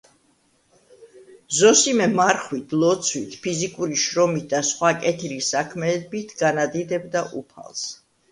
ზოსიმე მარხვით, ლოცვით, ფიზიკური შრომით და სხვა კეთილი საქმეებით განადიდებდა უფალს.